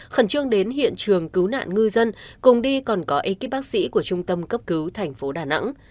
khẩn trương đến hiện trường cứu nạn ngư dân cùng đi còn có ekip bác sĩ của trung tâm cấp cứu thành phố đà nẵng